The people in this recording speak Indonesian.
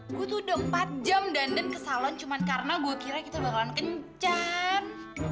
gue tuh udah empat jam dandan ke salon cuma karena gue kira kita bakalan kencan